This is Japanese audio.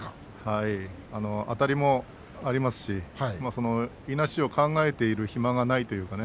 あたりもありますしいなしを考えている暇がないというかね